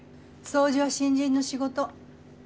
掃除は新人の仕事。